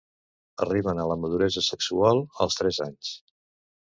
Arriben a la maduresa sexual als tres anys.